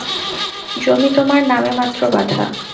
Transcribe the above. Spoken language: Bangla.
জমি তোমার নামেমাত্র বাঁধা।